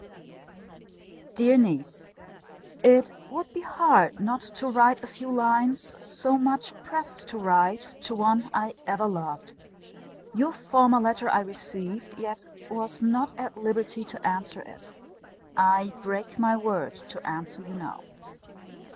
] DEAR NIECE, It would be hard not to write a few lines, so much pressed to write, to one I ever loved. Your former letter I received; yet was not at liberty to answer it. I break my word to answer you now.